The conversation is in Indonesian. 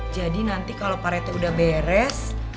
jadi nanti kalo parete udah beres